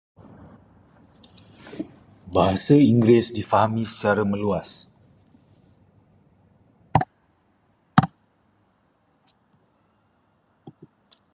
Bahasa Inggeris difahami secara meluas.